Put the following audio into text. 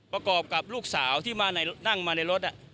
ประกอบกับลูกสาวที่นั่งมาในรถ